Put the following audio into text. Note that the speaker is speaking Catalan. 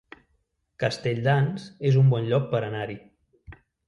Castelldans es un bon lloc per anar-hi